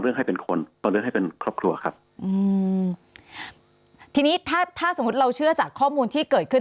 ในแต่ละปีนะครับแล้วแต่เรื่องบางเรื่อง